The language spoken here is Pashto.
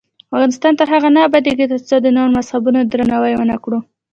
افغانستان تر هغو نه ابادیږي، ترڅو د نورو مذهبونو درناوی ونکړو.